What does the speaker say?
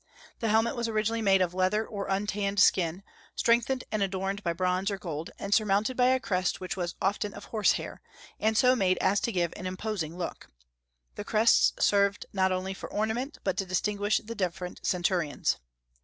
The helmet was originally made of leather or untanned skin, strengthened and adorned by bronze or gold, and surmounted by a crest which was often of horse hair, and so made as to give an imposing look. The crests served not only for ornament, but to distinguish the different centurions.